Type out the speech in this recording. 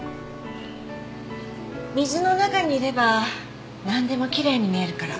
水の中にいればなんでもきれいに見えるから。